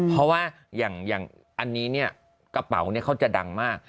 เพราะว่าอย่างอันนี้เนี่ยกระเป๋าเขาจะดังมาก